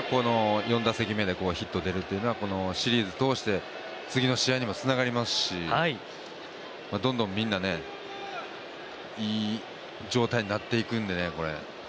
４打席目でヒットが出るというのはシリーズ通して次の試合にもつながりますし、どんどんみんな、いい状態になっていくんでね。